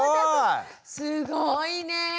すごいね！